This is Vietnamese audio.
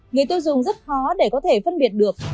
người tiêu dùng rất khó để có thể phân biệt được